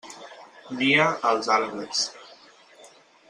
Nia als arbres.